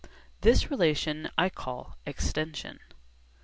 This relation I call 'extension.'